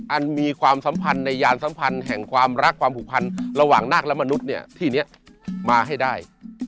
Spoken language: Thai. มีความสัมพันธ์ในยานสัมพันธ์แห่งความรักความผูกพันระหว่างนาคและมนุษย์เนี่ยที่นี้มาให้ได้